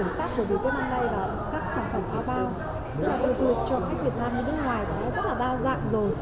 tức là đường du lịch cho khách việt nam đến nước ngoài đã rất là đa dạng rồi